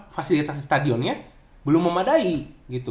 fasilitas stadionnya belum memadai gitu